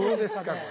これ。